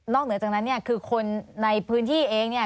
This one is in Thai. เหนือจากนั้นเนี่ยคือคนในพื้นที่เองเนี่ย